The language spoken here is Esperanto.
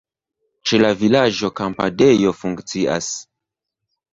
Ĉe la vilaĝo kampadejo funkcias.